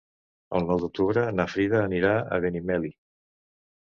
El nou d'octubre na Frida anirà a Benimeli.